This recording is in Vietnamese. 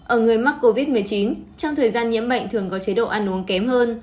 ở người mắc covid một mươi chín trong thời gian nhiễm bệnh thường có chế độ ăn uống kém hơn